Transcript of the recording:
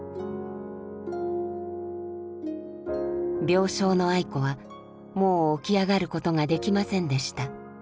病床の愛子はもう起き上がることができませんでした。